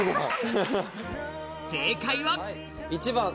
正解ははい１番。